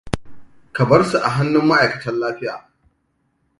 Ka barsu a hannun ma'aikatan lafiya.